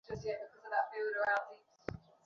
ওটা কোনো পোষ্য প্রাণী না।